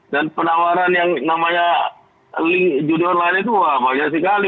dan penawaran yang namanya judul lainnya itu banyak sekali